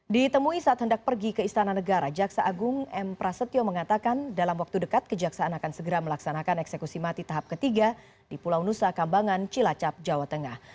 ditemui saat hendak pergi ke istana negara jaksa agung m prasetyo mengatakan dalam waktu dekat kejaksaan akan segera melaksanakan eksekusi mati tahap ketiga di pulau nusa kambangan cilacap jawa tengah